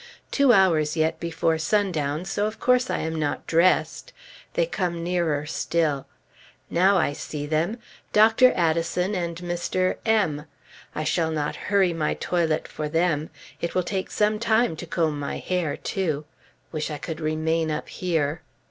Two hours yet before sundown, so of course I am not dressed. They come nearer still. Now I see them! Dr. Addison and Mr. M ! I shall not hurry my toilet for them. It will take some time to comb my hair, too. Wish I could remain up here!